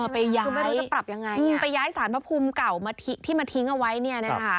ไปย้ายสารประภูมิเก่าที่มาทิ้งเอาไว้นะคะ